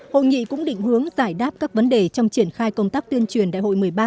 hội nghị cũng định hướng giải đáp các vấn đề trong triển khai công tác tuyên truyền đại hội một mươi ba